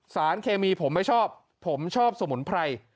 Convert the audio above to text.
สารเคมีผมไม่ชอบผมชอบสมุนไพร